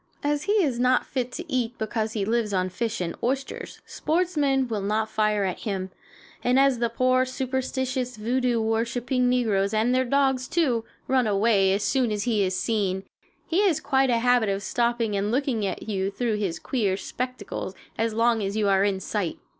As he is not fit to eat because he lives on fish and oysters, sportsmen will not fire at him; and as the poor, superstitious, voodoo worshiping negroes, and their dogs, too, run away as soon as he is seen, he has quite a habit of stopping and looking at you through his queer spectacles as long as you are in sight.